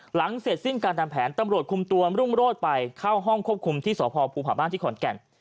หลังเสร็จสิ้นการทำแผนตำรวจคุมตัวรุ่งโรธไปเข้าห้องควบคุมที่สพภูผาบ้านที่ขอนแก่น